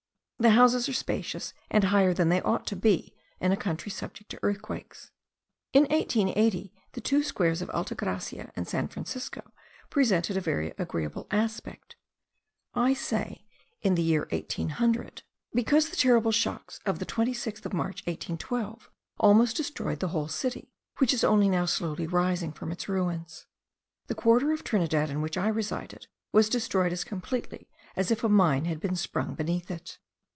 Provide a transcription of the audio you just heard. The houses are spacious, and higher than they ought to be in a country subject to earthquakes. In 1800, the two squares of Alta Gracia and San Francisco presented a very agreeable aspect; I say in the year 1800, because the terrible shocks of the 26th of March, 1812, almost destroyed the whole city, which is only now slowly rising from its ruins. The quarter of Trinidad, in which I resided, was destroyed as completely as if a mine had been sprung beneath it.